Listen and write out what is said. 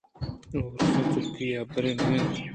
آروس چُکی حبرے نہ اِنت